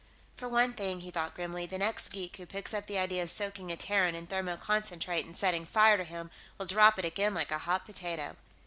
For one thing, he thought grimly, the next geek who picks up the idea of soaking a Terran in thermoconcentrate and setting fire to him will drop it again like a hot potato.